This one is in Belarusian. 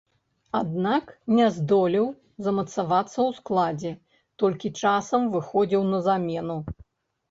Аднак, не здолеў замацавацца ў складзе, толькі часам выхадзіў на замену.